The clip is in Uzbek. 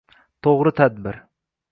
To’g’ri tadbir –